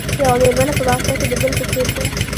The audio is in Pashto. یوه مېرمنه په باغچه کې د ګل په څېر ده.